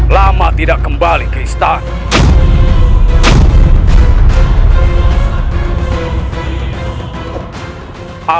lama tidak kembali ke istana